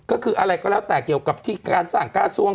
ก็คืออะไรก็แล้วแต่เกี่ยวกับที่การสั่งกระทรวง